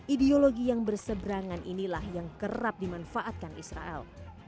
ideologi yang berseberangan inilah yang kerap dimanfaatkan israel